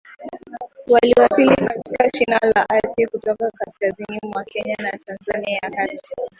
wliwasili katika shina la ardhi kutoka kaskazini mwa Kenya na Tanzania ya kati